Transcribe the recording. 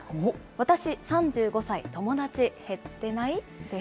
私、３５歳友達減ってない？です。